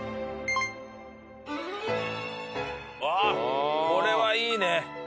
あっこれはいいね！